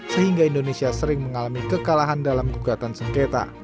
sehingga indonesia sering mengalami kekalahan dalam gugatan sengketa